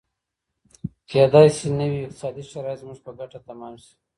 کیدای سي نوي اقتصادي شرایط زموږ په ګټه تمام سي.